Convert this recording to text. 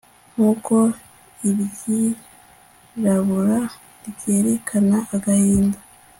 nk'uko iryirabura ryerekana agahinda